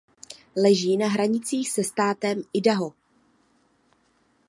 Leží na hranicích se státem Idaho.